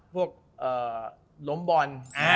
พวกล้มบอล